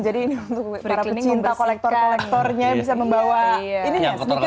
jadi ini untuk para pecinta kolektor kolektornya bisa membawa sneakers ya